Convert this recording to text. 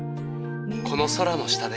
この空の下で。